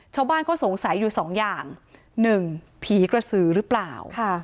ชาวบ้านเขาสงสัยอยู่สองอย่างหนึ่งผีกระสือหรือเปล่า